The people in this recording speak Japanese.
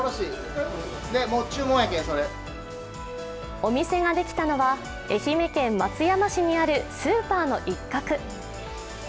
お店ができたのは愛媛県松山市にあるスーパーの一角。